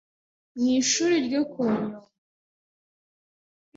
mu ishuri ryo ku Nyundo